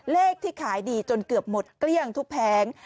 เลขที่ขายดีจนเกือบหมดเกลี้ยงทุกแผง